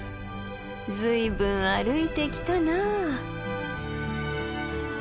随分歩いてきたなあ。